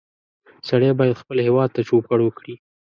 سړی باید خپل هېواد ته چوپړ وکړي